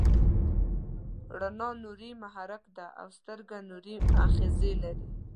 رڼا نوري محرک ده او سترګه نوري آخذې لري.